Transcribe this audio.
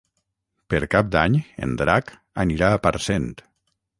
Per Cap d'Any en Drac anirà a Parcent.